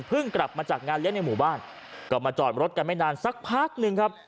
กลับมาจากงานเลี้ยงในหมู่บ้านก็มาจอดรถกันไม่นานสักพักหนึ่งครับ